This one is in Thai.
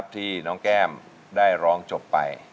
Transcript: ที่น้องแก้มได้ร้องจบไป